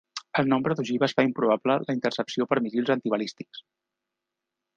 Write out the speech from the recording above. El nombre d'ogives fa improbable la intercepció per míssils antibalístics.